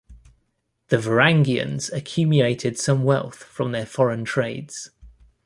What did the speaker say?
The Varangians accumulated some wealth from their foreign trades.